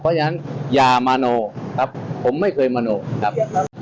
เพราะฉะนั้นอย่ามาโนครับผมไม่เคยมโนครับ